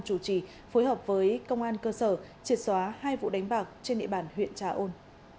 chủ trì phối hợp với công an cơ sở triệt xóa hai vụ đánh bạc trên địa bàn huyện trà ôn